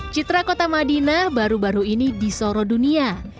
citra kota madinah baru baru ini disoro dunia